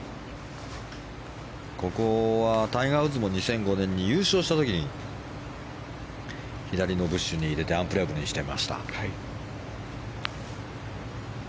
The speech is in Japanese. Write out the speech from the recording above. ここはタイガー・ウッズも２００５年に優勝した時に左のブッシュに入れてアンプレヤブルにしていました。